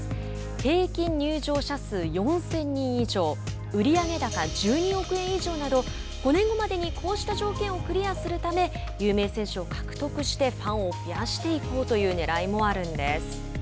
平均入場者数４０００人以上売上高１２億円以上など５年後までにこうした条件をクリアするため有名選手を獲得してファンを増やしていこうというねらいもあるんです。